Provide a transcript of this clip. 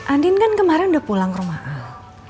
andin kan kemarin udah pulang rumah al